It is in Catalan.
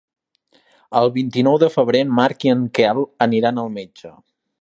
El vint-i-nou de febrer en Marc i en Quel aniran al metge.